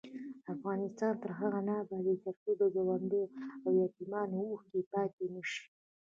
افغانستان تر هغو نه ابادیږي، ترڅو د کونډو او یتیمانو اوښکې پاکې نشي.